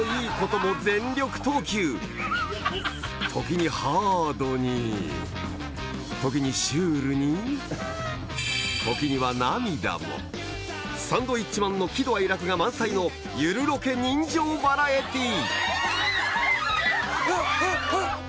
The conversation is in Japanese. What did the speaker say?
時にハードに時にシュールに時には涙もサンドウィッチマンの喜怒哀楽が満載のゆるロケ人情バラエティー